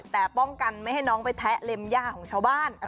แต่ป้องกันไม่ให้น้องไปแทะเล็มย่าของชาวบ้าน